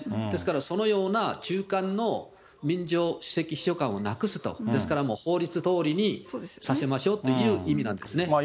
ですから、そのような中間の民情首席秘書官をなくすと、ですから、もう法律どおりにさせましょうという意味なんですね。